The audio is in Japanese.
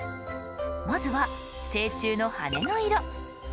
まずは成虫の羽の色。